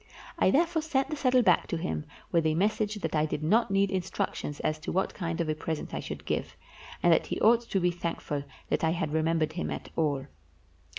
I therefore sent the saddle back to him with a message that I did not need instructions as to what kind of a present I should give, and that he ought to be thankful that I had remembered him at all.